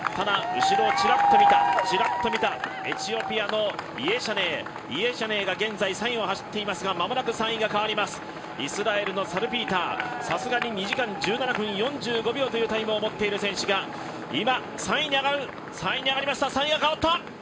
ただ、後ろをちらっと見たエチオピアのイェシャネーが現在、３位を走っていますが間もなく３位が代わります、イスラエルのサルピーターさすがに２時間１７分４５秒というタイムを持っている選手が今、３位に上がりました。